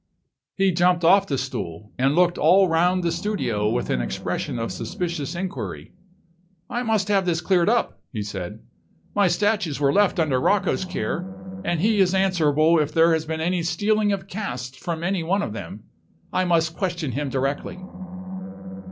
He jumped off the stool, and looked all round the studio with an expression of suspicious inquiry. "I must have this cleared up," he said. "My statues were left under Rocco's care, and he is answerable if there has been any stealing of casts from any one of them. I must question him directly."